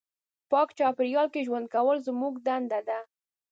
پاک چاپېریال کې ژوند کول زموږ دنده ده.